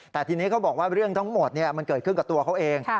แต่ทีนี้เขาบอกว่าเรื่องทั้งหมดมันเกิดขึ้นกับตัวเขาเอง